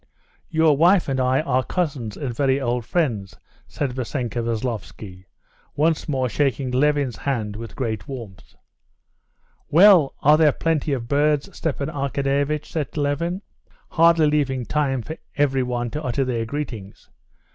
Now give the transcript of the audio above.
"Your wife and I are cousins and very old friends," said Vassenka Veslovsky, once more shaking Levin's hand with great warmth. "Well, are there plenty of birds?" Stepan Arkadyevitch said to Levin, hardly leaving time for everyone to utter their greetings.